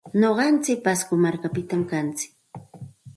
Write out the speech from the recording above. Nuqantsik pasco markapitam kantsik.